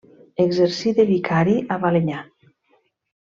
Exercí de vicari a Balenyà.